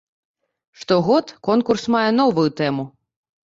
Штогод конкурс мае новую тэму.